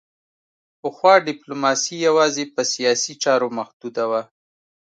پخوا ډیپلوماسي یوازې په سیاسي چارو محدوده وه